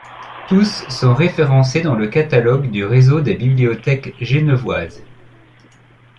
Tous sont référencés dans le catalogue du Réseau des bibliothèques genevoises.